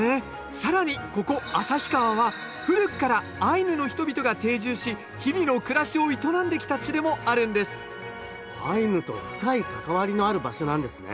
更にここ旭川は古くからアイヌの人々が定住し日々の暮らしを営んできた地でもあるんですアイヌと深い関わりのある場所なんですね